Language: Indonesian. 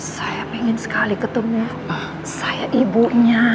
saya pengen sekali ketemu saya ibunya